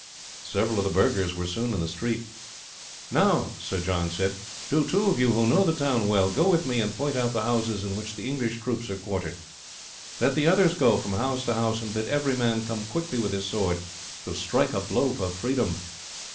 Several of the burghers were soon in the street. "Now," Sir John said, "do two of you who know the town well go with me and point out the houses in which the English troops are quartered; let the others go from house to house, and bid every man come quickly with his sword to strike a blow for freedom."